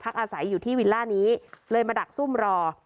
อาศัยอยู่ที่วิลล่านี้เลยมาดักซุ่มรอ